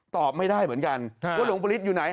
ตอบไม่ได้เหมือนกันว่าหลวงปริศอยู่ไหน